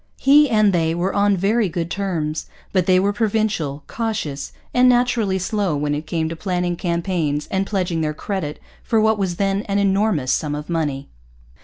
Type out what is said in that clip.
He and they were on very good terms. But they were provincial, cautious, and naturally slow when it came to planning campaigns and pledging their credit for what was then an enormous sum of money.